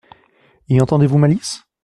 Y entendez-vous malice ?